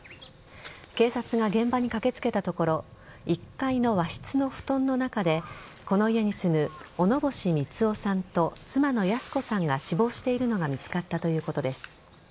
警察が現場に駆けつけたところ１階の和室の布団の中でこの家に住む小野星三男さんと妻の泰子さんが死亡しているのが見つかったということです。